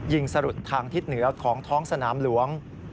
สรุดทางทิศเหนือของท้องสนามหลวง